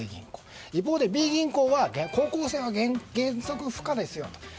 一方でＢ銀行は高校生は原則不可ですよと。